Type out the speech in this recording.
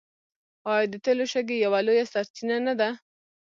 آیا د تیلو شګې یوه لویه سرچینه نه ده؟